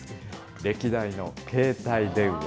歴代の携帯電話。